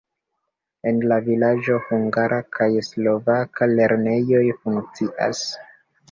En la vilaĝo hungara kaj slovaka lernejoj funkcias.